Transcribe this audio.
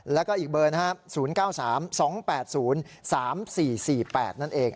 แล้วก็อีกเบอร์นะครับ๐๙๓๒๘๐๓๔๔๘นั่นเอง